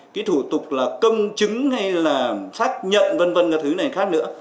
cái thủ tục là công chứng hay là xác nhận v v các thứ này khác nữa